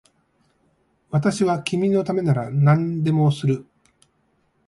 私は君のためなら何でもする